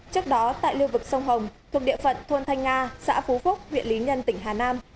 trước đó tại lưu vực sông hồng thuộc địa phận thôn thanh nga xã phú phúc huyện lý nhân tỉnh hà nam